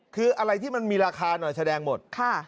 คืออะไรที่มันมีราคาหน่อยแสดงหมด